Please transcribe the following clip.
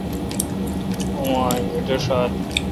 اوما انگیٹھ ݭال۔